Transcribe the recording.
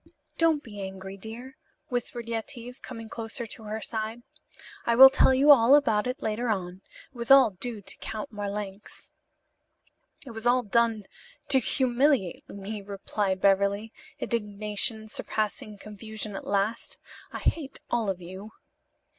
"Don't be angry, dear," whispered Yetive, coming close to her side. "I will tell you all about it later on. It was all due to Count Marlanx." "It was all done to humiliate me," replied Beverly, indignation surpassing confusion at last. "I hate all of you."